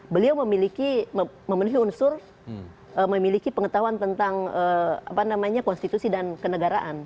beliau memiliki memenuhi unsur memiliki pengetahuan tentang konstitusi dan kenegaraan